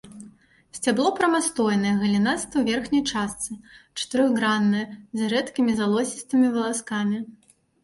Сцябло прамастойнае, галінастае ў верхняй частцы, чатырохграннае, з рэдкімі залозістымі валаскамі.